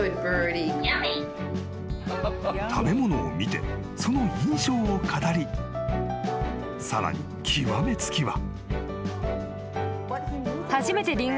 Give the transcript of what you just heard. ［食べ物を見てその印象を語りさらに極め付きは］